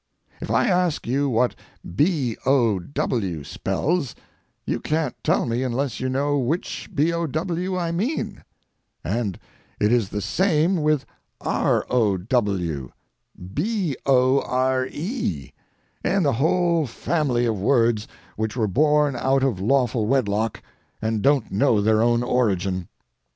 If I ask you what b o w spells you can't tell me unless you know which b o w I mean, and it is the same with r o w, b o r e, and the whole family of words which were born out of lawful wedlock and don't know their own origin.